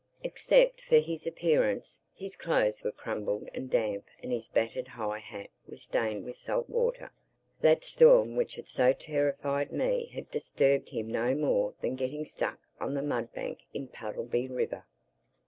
Except for his appearance (his clothes were crumpled and damp and his battered high hat was stained with salt water) that storm which had so terrified me had disturbed him no more than getting stuck on the mud bank in Puddleby River.